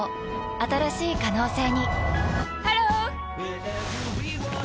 新しい可能性にハロー！